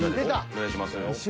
お願いします。